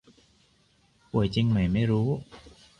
ป่วยจริงไหมไม่รู้